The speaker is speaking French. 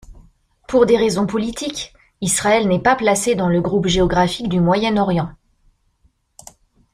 Pour des raisons politiques, Israël n'est pas placé dans le groupe géographique du Moyen-Orient.